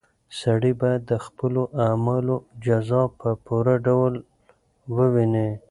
سړی باید د خپلو اعمالو جزا په پوره ډول وویني.